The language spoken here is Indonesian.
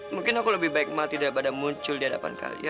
mungkin aku lebih baik mati daripada muncul di hadapan kalian